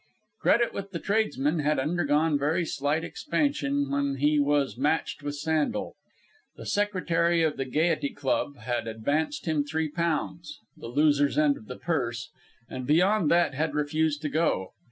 Credit with the tradesmen had undergone very slight expansion when he was matched with Sandel. The secretary of the Gayety Club had advanced him three pounds the loser's end of the purse and beyond that had refused to go.